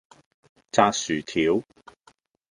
炸薯條